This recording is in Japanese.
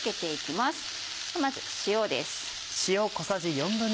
まず塩です。